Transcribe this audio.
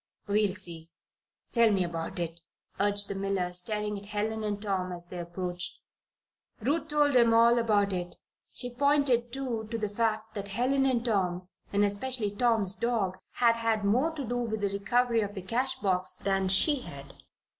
"We'll see. Tell me about it," urged the miller, staring at Helen and Tom as they approached. Ruth told him all about it. She pointed, too, to the fact that Helen and Tom and especially Tom's dog had had more to do with the recovery of the cash box than she had.